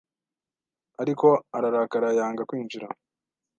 ’ Ariko ararakara yanga kwinjira